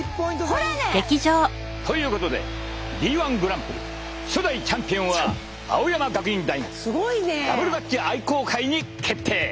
ほらね！ということでＢ−ＯＮＥグランプリ初代チャンピオンは青山学院大学ダブルダッチ愛好会に決定！